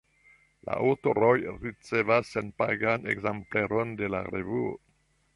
La aŭtoroj ricevas senpagan ekzempleron de la revuo.